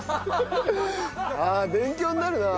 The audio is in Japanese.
ああ勉強になるなあ。